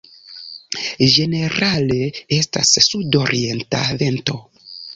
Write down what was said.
Ĝenerale estas sudorienta vento.